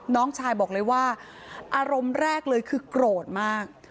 น้องชายบอกเลยว่าอารมณ์แรกเลยคือโกรธมาก